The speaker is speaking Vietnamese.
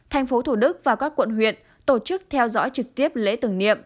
tp thổ đức và các quận huyện tổ chức theo dõi trực tiếp lễ tưởng niệm